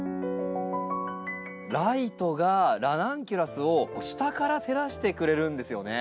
ライトがラナンキュラスを下から照らしてくれるんですよね。